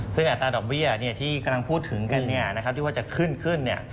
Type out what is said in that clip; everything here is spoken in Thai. ซึ่งอัตราดอกเบี้ยที่กำลังพูดถึงกันเนี่ยนะครับที่ว่าจะขึ้นขึ้นเนี่ย